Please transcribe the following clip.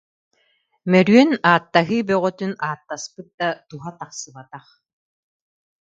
Мөрүөн ааттаһыы бөҕөтүн ааттаспыт да, туһа тахсыбатах